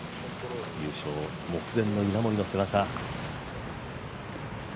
優勝目前の稲森の背中。